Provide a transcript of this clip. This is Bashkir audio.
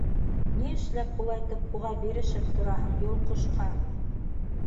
Ни эшләп улайтып уға бирешеп тораһың, йолҡошҡа?